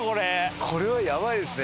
これはやばいですね。